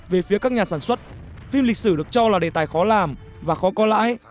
về phía các nhà sản xuất phim lịch sử được cho là đề tài khó làm và khó có lãi